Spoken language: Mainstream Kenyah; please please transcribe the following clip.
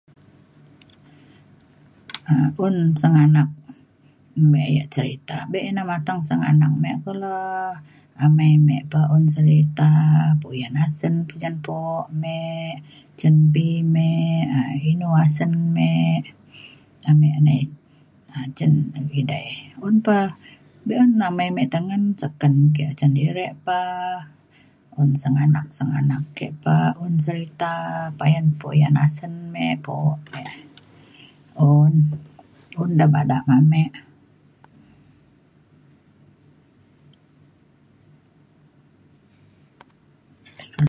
um un sengganak me yak cerita be ina mateng sengganak me kulo amai me pa un serita puyan asen puyan lepo me cembi me um inu asen me ame nai um cen edai un pa be’un amai me tengen seken sedirik pa un sengganak sengganak ke pa un serita payan puyan asen me po me un un da bada ame.